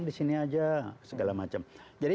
di sini aja segala macam jadi